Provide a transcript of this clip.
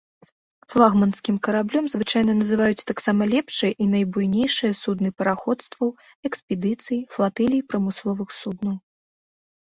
Флагманскім караблём звычайна называюць таксама лепшыя і найбуйнейшыя судны параходстваў, экспедыцый, флатылій прамысловых суднаў.